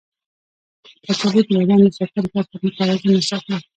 کچالو د بدن د شکرې کچه متوازنه ساتي.